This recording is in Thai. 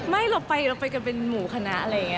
ไม่เราไปกันเป็นหมูคณะเลย